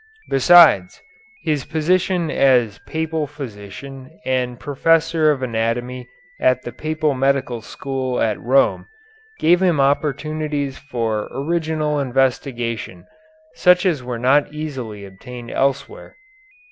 Besides, his position as Papal Physician and Professor of Anatomy at the Papal Medical School at Rome gave him opportunities for original investigation, such as were not easily obtained elsewhere.